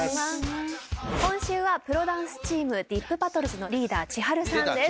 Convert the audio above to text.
今週はプロダンスチームｄｉｐＢＡＴＴＬＥＳのリーダーｃｈｉｈａｒｕさんです。